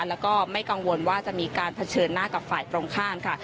แล้วก็ไม่กังวลว่าจะมีการเผชิญหน้ากับฝ่ายตรงข้ามค่ะ